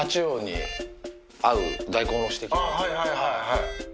はいはいはいはい。